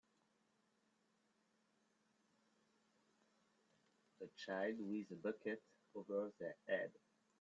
A child with a bucket over their head.